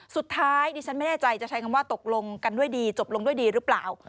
สุดท้ายดิฉันไม่แน่ใจจะใช้คำว่าตกลงกันด้วยดีจบลงด้วยดีหรือเปล่า